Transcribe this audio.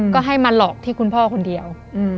ก็ให้มาหลอกที่คุณพ่อคนเดียว